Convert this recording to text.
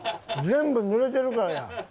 全部濡れてるからや。